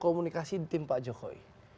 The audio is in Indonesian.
komunikasi tim pak jokowi